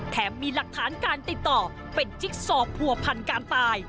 มีหลักฐานการติดต่อเป็นจิ๊กซอผัวพันการตาย